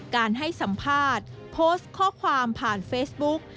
การให้สัมภาษณ์โพสต์ข้อความผ่านเฟซบุ๊ก